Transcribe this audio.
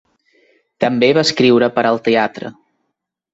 També va escriure per al teatre.